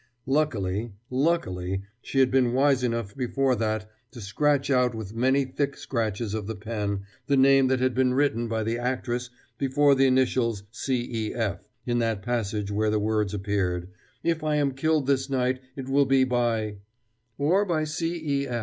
Luckily, luckily, she had been wise enough before that to scratch out with many thick scratches of the pen the name that had been written by the actress before the initials C. E. F. in that passage where the words appeared: "If I am killed this night it will be by or by C. E.